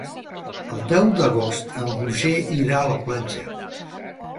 El deu d'agost en Roger irà a la platja.